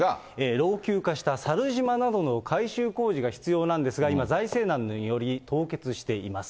老朽化した猿島などの改修工事が必要なんですが、今、財政難により凍結しています。